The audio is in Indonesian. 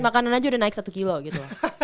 makanan aja udah naik satu kilo gitu